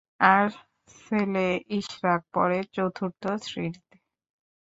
আর ছেলে ইশরাক পড়ে চতুর্থ শ্রেণিতে।